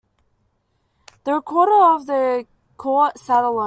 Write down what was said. The recorder of the court sat alone.